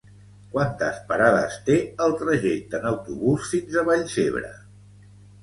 Quantes parades té el trajecte en autobús fins a Vallcebre?